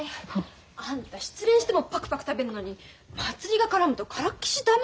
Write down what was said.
あんた失恋してもパクパク食べるのに祭りが絡むとからっきし駄目ね。